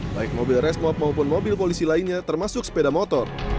baik mobil resmob maupun mobil polisi lainnya termasuk sepeda motor